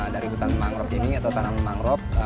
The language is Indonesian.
dari hutan mangrove ini atau tanaman mangrove